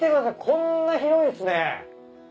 こんな広いんすね。